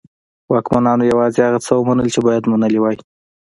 واکمنانو یوازې هغه څه ومنل چې باید منلي وای.